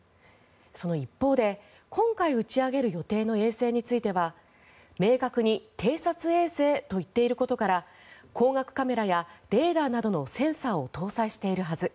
その一方で今回打ち上げる予定の衛星については明確に偵察衛星と言っていることから光学カメラやレーダーなどのセンサーを搭載しているはず